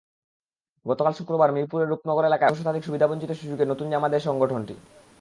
গতকাল শুক্রবার মিরপুরের রূপনগর এলাকায় অর্ধশতাধিক সুবিধাবঞ্চিত শিশুকে নতুন জামা দেয় সংগঠনটি।